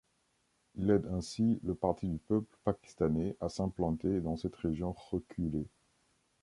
Il aide ainsi le Parti du peuple pakistanais à s'implanter dans cette région reculée.